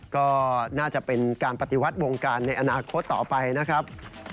ก็น่าจะเป็นการปฏิวัติวงการในอนาคตต่อไปนะครับ